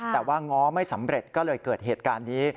แต่ว่าง้อไม่สำเร็จก็เลยเกิดเหตุการณ์นี้